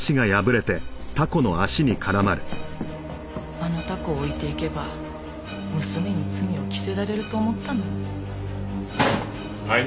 あのタコを置いていけば娘に罪を着せられると思ったのに。